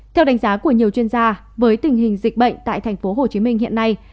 theo đánh giá của nhiều chuyên gia với tình hình dịch bệnh tại tp hcm hiện nay